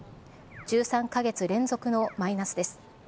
１３か月連続のマイナスです。